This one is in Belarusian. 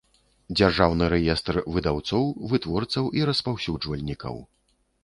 Дзяржаўны рэестр выдаўцоў, вытворцаў i распаўсюджвальнiкаў.